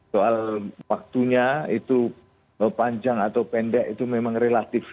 soal waktunya itu panjang atau pendek itu memang relatif